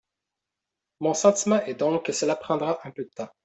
Mon sentiment est donc que cela prendra un peu de temps.